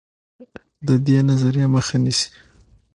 د دې نظریې مخه نیسي.